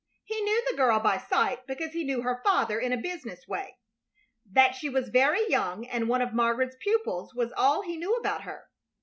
He knew the girl by sight, because he knew her father in a business way. That she was very young and one of Margaret's pupils was all he knew about her.